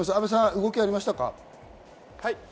動きありましたか？